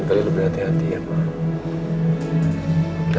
kalian berhati hati ya mama